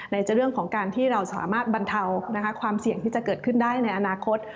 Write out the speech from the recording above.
ในเรื่องของการที่เราสามารถบรรเทาความเสี่ยงที่จะเกิดขึ้นได้ในอนาคต